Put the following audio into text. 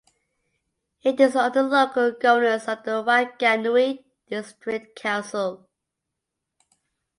It is under the local governance of the Whanganui District Council.